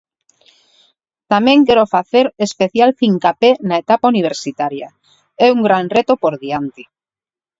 Tamén quero facer especial fincapé na etapa universitaria, é un gran reto por diante.